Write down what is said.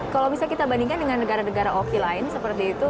kalau misalnya kita bandingkan dengan negara negara opi lain seperti itu